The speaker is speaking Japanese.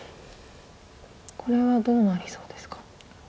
これはどうなりそうですか。